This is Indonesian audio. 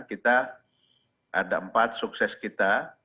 kita ada empat sukses kita